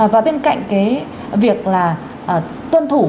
và bên cạnh cái việc là tuân thủ